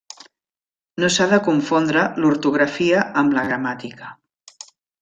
No s'ha de confondre l'ortografia amb la gramàtica.